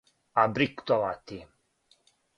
абриктовати